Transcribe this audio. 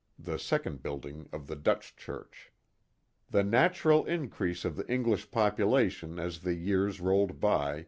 (The second building of the Dutch Church.) The natural increase of the English population as the years rolled by.